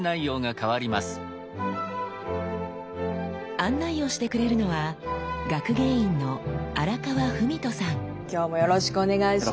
案内をしてくれるのは今日もよろしくお願いします。